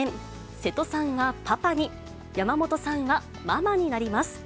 瀬戸さんはパパに、山本さんはママになります。